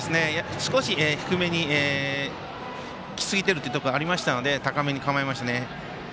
少し低めにきすぎてるところがありましたので高めに構えましたね。